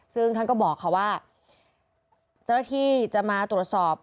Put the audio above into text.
ซึ่งท่านก็บอกค่ะว่าเจ้าหน้าที่จะมาตรวจสอบ